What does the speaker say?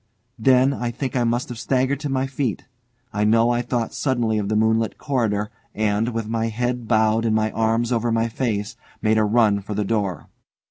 Then I think I must have staggered to my feet. I know I thought suddenly of the moonlit corridor, and, with my head bowed and my arms over my face, made a run for the door.